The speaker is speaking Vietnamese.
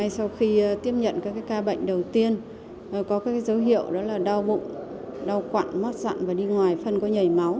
sau khi tiếp nhận các ca bệnh đầu tiên có các dấu hiệu đó là đau bụng đau quặn mắt sẵn và đi ngoài phân có nhảy máu